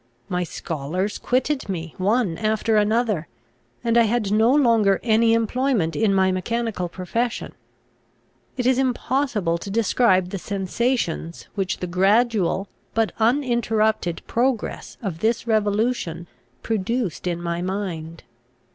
My scholars quitted me one after another; and I had no longer any employment in my mechanical profession. It is impossible to describe the sensations, which the gradual but uninterrupted progress of this revolution produced in my mind.